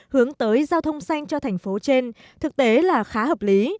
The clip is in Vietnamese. hướng tới giao thông xanh cho thành phố trên thực tế là khá hợp lý